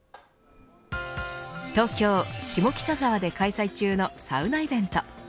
東京、下北沢で開催中のサウナイベント。